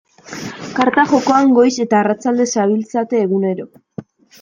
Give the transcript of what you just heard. Karta jokoan goiz eta arratsalde zabiltzate egunero.